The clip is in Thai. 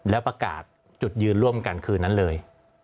แล้วประกาศจุดยืนร่วมกันคืนนั้นเลย